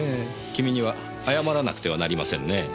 君には謝らなくてはなりませんねえ。